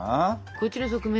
こっちの側面